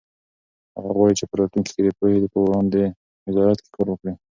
هغه غواړي چې په راتلونکي کې د پوهنې په وزارت کې کار وکړي.